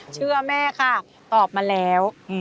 เชื่อแม่ค่ะตอบมาแล้ว